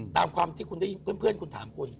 ตามความที่คุณได้ยินเพื่อนคุณถามคุณ